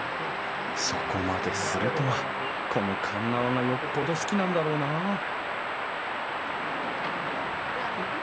そこまでするとはこの鉄輪がよっぽど好きなんだろうなあ